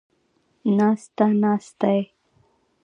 ناسته ، ناستې